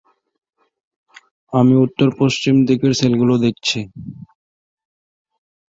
আমি উত্তর পশ্চিম দিকের সেলগুলো দেখছি।